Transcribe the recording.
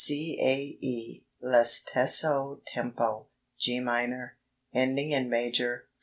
"C. A. E." L'istesso tempo, G minor, ending in major, 4 4.